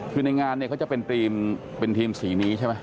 คือในงานก็จะเป็นทีมสีนี้ใช่ไหม